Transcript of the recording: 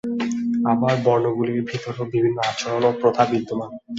আবার বর্ণগুলির ভিতরও বিভিন্ন আচরণ ও প্রথা বিদ্যমান।